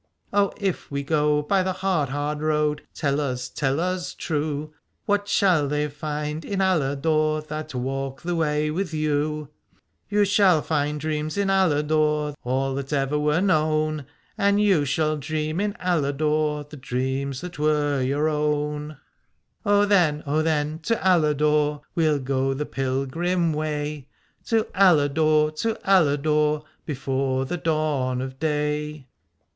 O if we go by the hard hard road. Tell us, tell us true, What shall they find in Aladore That walk the way with you ? You shall find dreams in Aladore, All that ever were known : And you shall dream in Aladore The dreams that were your own. 250 Alad ore O then, O then to Aladore, We'll go the pilgrim way, To Aladore, to Aladore, Before the dawn of day.